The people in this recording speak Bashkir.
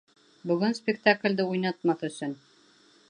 Бөгөн спектаклде уйнатмаҫ өсөн!